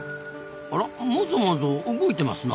あらもぞもぞ動いてますな。